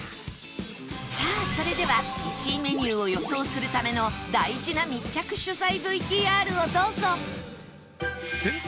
さあそれでは１位メニューを予想するための大事な密着取材 ＶＴＲ をどうぞ